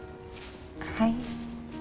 はい？